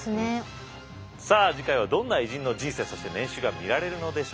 さあ次回はどんな偉人の人生そして年収が見られるのでしょうか。